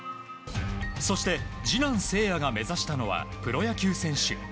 そして次男・聖弥が目指したのはプロ野球選手。